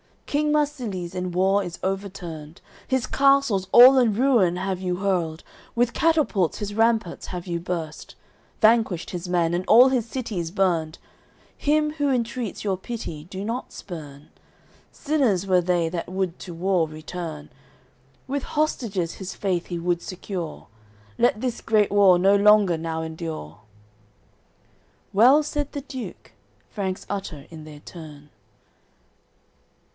King Marsilies in war is overturned, His castles all in ruin have you hurled, With catapults his ramparts have you burst, Vanquished his men, and all his cities burned; Him who entreats your pity do not spurn, Sinners were they that would to war return; With hostages his faith he would secure; Let this great war no longer now endure." "Well said the Duke." Franks utter in their turn.